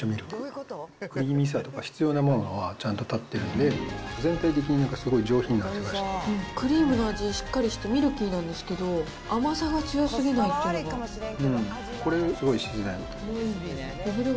とろみさとか必要なものはちゃんと立ってるんで、全体的にすごいクリームの味しっかりして、ミルキーなんですけど、甘さが強すぎないというのが。